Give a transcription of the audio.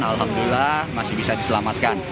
alhamdulillah masih bisa diselamatkan